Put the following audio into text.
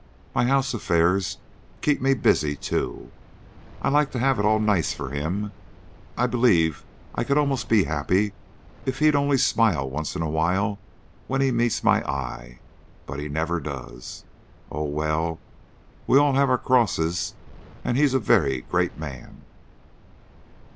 My house affairs keep me busy too. I like to have it all nice for him. I believe I could almost be happy if he'd only smile once in a while when he meets my eye. But he never does. Oh, well, we all have our crosses, and he's a very great man."